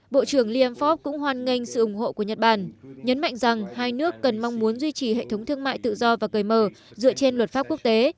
bộ trưởng liam fox cũng hoan nghênh sự ủng hộ của nhật bản nhấn mạnh rằng hai nước cần mong muốn duy trì hệ thống thương mại tự do và cười mờ dựa trên luật pháp quốc tế